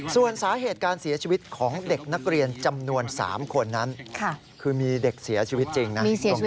ส่วนสาเหตุการเสียชีวิตของเด็กนักเรียนจำนวน๓คนนั้นคือมีเด็กเสียชีวิตจริงนะ